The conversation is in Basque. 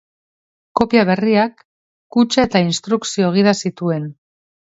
Kopia berriak kutxa eta instrukzio-gida zituen.